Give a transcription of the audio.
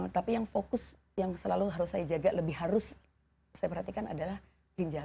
tapi yang fokus yang selalu harus saya jaga lebih harus saya perhatikan adalah ginjal